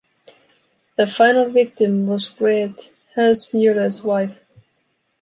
The final victim was Grete, Hans Müller’s wife.